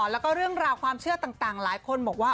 แล้วก็เรื่องราวความเชื่อต่างหลายคนบอกว่า